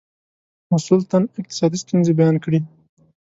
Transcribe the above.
مسئول تن اقتصادي ستونزې بیان کړې.